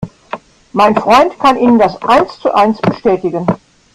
Mein Freund kann Ihnen das eins zu eins bestätigen.